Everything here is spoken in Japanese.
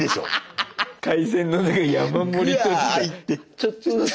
ちょっとずつ。